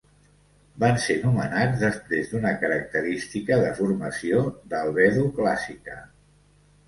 Van ser nomenats després d'una característica de formació d'albedo clàssica.